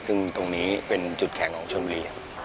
ซึ่งตรงนี้เป็นจุดแข็งของชนบุรี